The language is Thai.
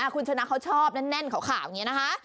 คุณชนะเขาชอบแน่นขาวอย่างนี้นะคะ